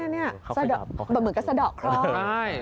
เหมือนกับสะดอกเคราะห์